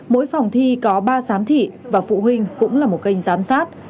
mỗi phòng thi có ba giám thị và phụ huynh cũng là một kênh giám sát